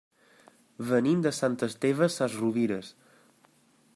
Venim de Sant Esteve Sesrovires.